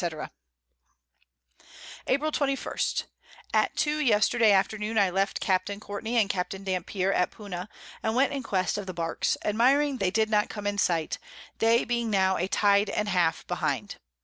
_" April 21. At 2 Yesterday Afternoon I left Capt. Courtney and Capt. Dampier at Puna, and went in quest of the Barks, admiring they did not come in sight, they being now a Tide and half behind.